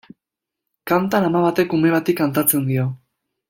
Kantan ama batek ume bati kantatzen dio.